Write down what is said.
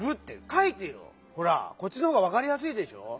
ほらこっちのほうがわかりやすいでしょ？